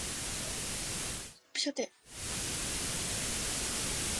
萨莱普拉特是德国图林根州的一个市镇。